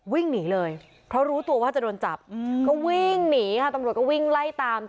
วิ่งหนีเลยเพราะรู้ตัวว่าจะโดนจับก็วิ่งหนีค่ะตำรวจก็วิ่งไล่ตาม